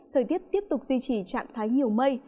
thời tiết tiếp tục duy trì trạng thái nhiều mây